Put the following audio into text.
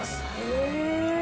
へえ！